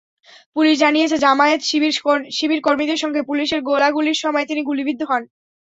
Police জানিয়েছে, জামায়াত-শিবির কর্মীদের সঙ্গে পুলিশের গোলাগুলির সময় তিনি গুলিবিদ্ধ হন।